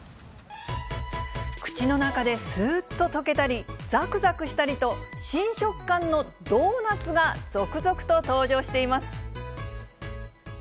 口の中ですーっと溶けたり、ざくざくしたりと、新食感のドーナツが続々と登場しています。